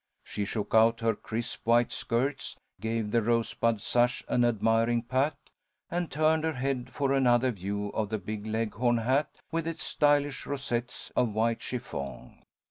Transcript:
She shook out her crisp white skirts, gave the rosebud sash an admiring pat, and turned her head for another view of the big leghorn hat with its stylish rosettes of white chiffon.